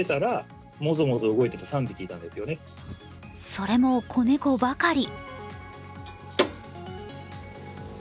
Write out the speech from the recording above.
それも子猫ばかり。